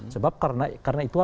sebab karena itu